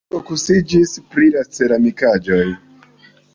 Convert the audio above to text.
Li fokusiĝis pri la ceramikaĵoj.